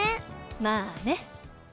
まあね。